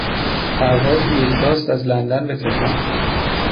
پرواز یک راست از لندن به تهران